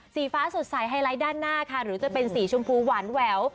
สีฟ้าสดใสไฮไลท์ด้านหน้าค่ะหรือจะเป็นสีชมพูหวานแหวว